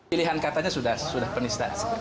pilihan katanya sudah penista